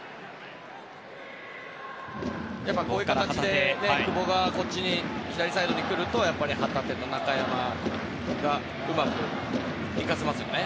こういう形で久保が左サイドに来ると旗手と中山がうまく生かせますよね。